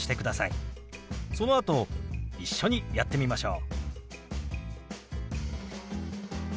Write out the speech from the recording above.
そのあと一緒にやってみましょう。